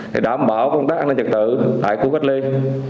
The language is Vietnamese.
để đảm bảo công tác an ninh trật tự tại khu cách ly